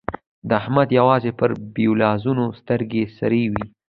د احمد يوازې پر بېوزلانو سترګې سرې وي.